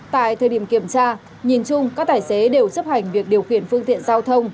tại thời điểm kiểm tra nhìn chung các tài xế đều chấp hành việc điều khiển phương tiện giao thông